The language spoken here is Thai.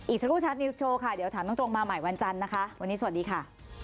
สักครู่ชัดนิวสโชว์ค่ะเดี๋ยวถามตรงมาใหม่วันจันทร์นะคะวันนี้สวัสดีค่ะ